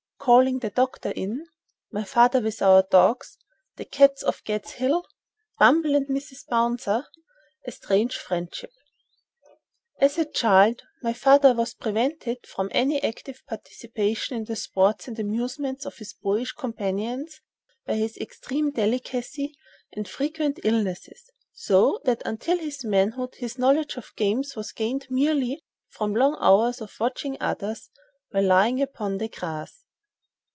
—Calling the doctor in.—My father with our dogs.—The cats of "Gad's Hill."—"Bumble" and "Mrs. Bouncer."—A strange friendship. As a child my father was prevented from any active participation in the sports and amusements of his boyish companions by his extreme delicacy and frequent illnesses, so that until his manhood his knowledge of games was gained merely from long hours of watching others while lying upon the grass.